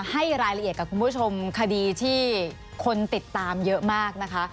ให้รายละเอียดกับคุณผู้ชมคดีที่คนติดตามเยอะมากนะคะ